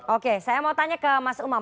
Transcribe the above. oke saya mau tanya ke mas umam